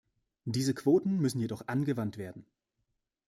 Diese Quoten müssen jedoch angewandt werden.